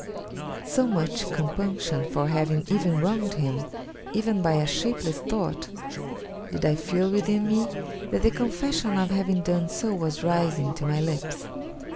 So much compunction for having ever wronged him, even by a shapeless thought, did I feel within me, that the confession of having done so was rising to my lips.